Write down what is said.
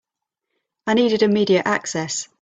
I needed immediate access.